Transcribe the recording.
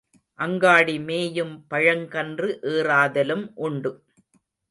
அங்காடி மேயும் பழங்கன்று ஏறாதலும் உண்டு.